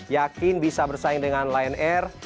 yakin bisa bersaing dengan lion air